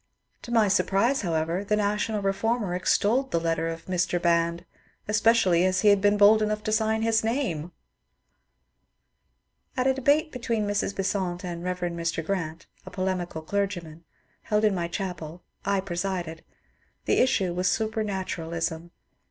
To ray surprise, however, the " National Reformer " extolled the letter of ^^ Mr. Band," especially as he had been bold enough to sign his name I At a debate between Mrs. Besant and Bev. Mr. Grant — a polemical clergyman — held in my chapel, I presided. The issue was Supernaturalism.